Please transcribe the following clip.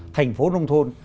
thành phố nông thôn